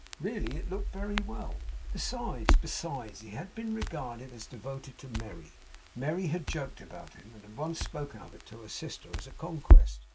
Really it looked very well. Besides besides he had been regarded as devoted to Merry. Merry had joked about him, and had once spoken of it to her sister as a conquest.